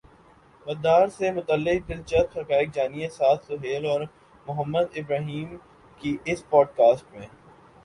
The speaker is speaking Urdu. وادر سے متعلق دلچسپ حقائق جانیے سعد سہیل اور محمد ابراہیم کی اس پوڈکاسٹ میں